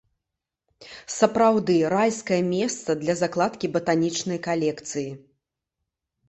Сапраўды, райскае месца для закладкі батанічнай калекцыі.